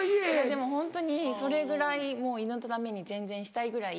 でもホントにそれぐらいもう犬のために全然したいぐらい。